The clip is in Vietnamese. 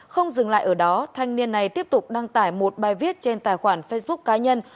không dừng lại ở đó thanh niên này tiếp tục đăng tải một bài viết trên tài khoản facebook cá nhân